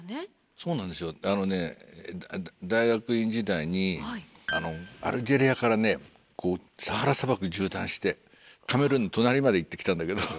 そうなんですよ大学院時代にアルジェリアからサハラ砂漠縦断してカメルーンの隣まで行ってきたんだけど。